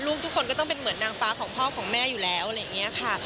ทุกคนก็ต้องเป็นเหมือนนางฟ้าของพ่อของแม่อยู่แล้วอะไรอย่างนี้ค่ะ